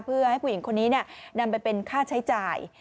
เพื่อให้ผู้หญิงคนนี้นำไปเป็นค่าใช้จ่าย